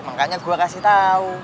makanya gua kasih tau